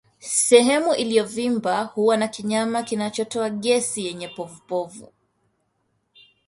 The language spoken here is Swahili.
Sehemu iliyovimba huwa na kinyama kinachotoa gesi yenye povupovu